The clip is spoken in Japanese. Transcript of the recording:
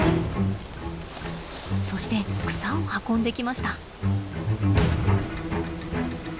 そして草を運んできました。